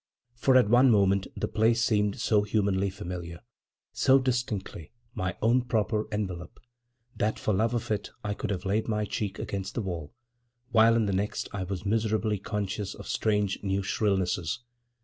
For at one moment the place seemed so humanly familiar, so distinctly my own proper envelope, that for love of it I could have laid my cheek against the wall; while in the next I was miserably conscious of strange new shrillnesses.